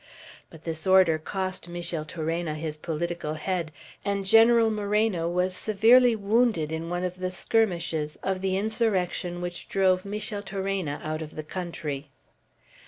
But this order cost Micheltorena his political head, and General Moreno was severely wounded in one of the skirmishes of the insurrection which drove Micheltorena out of the country.